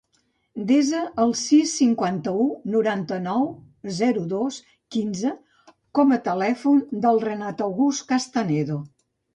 Desa el sis, cinquanta-u, noranta-nou, zero, dos, quinze com a telèfon del Renat August Castanedo.